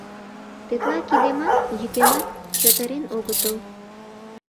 Тетла кидемат, йӱкемат чытырен огытыл.